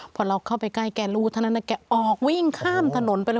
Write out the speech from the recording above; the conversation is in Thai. พอเราเข้าไปใกล้แกรู้เท่านั้นแกออกวิ่งข้ามถนนไปเลย